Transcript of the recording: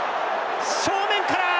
正面から！